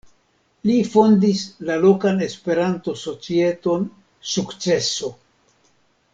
Li fondis la lokan Esperanto-societon "Sukceso".